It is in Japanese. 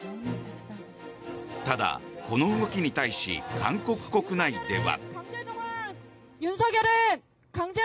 ただ、この動きに対し韓国国内では。